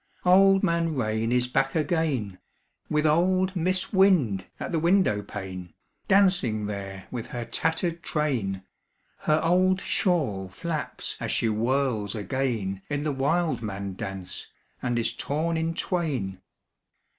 Old Man Rain is back again, With old Mis' Wind at the windowpane, Dancing there with her tattered train: Her old shawl flaps as she whirls again In the wildman dance and is torn in twain.